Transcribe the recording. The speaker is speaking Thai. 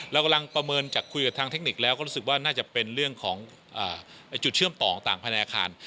เรากำลังประเมินจากคุยกับทางเทคนิคแล้วก็รู้สึกว่าน่าจะเป็นเรื่องของจุดเชื่อมต่อต่างภายในอาคาร